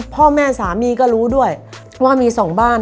พ่อแม่สามีก็รู้ด้วยว่ามีสองบ้าน